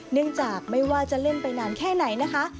เนื่องจากไม่ว่าจะเล่นไปนานแค่ไหนนะคะ